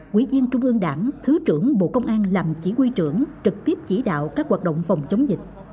quỹ viên trung ương đảng thứ trưởng bộ công an làm chỉ huy trưởng trực tiếp chỉ đạo các hoạt động phòng chống dịch